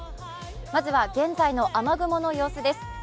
まずは現在の雨雲の様子です。